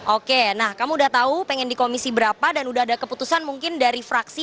oke nah kamu udah tahu pengen di komisi berapa dan udah ada keputusan mungkin dari fraksi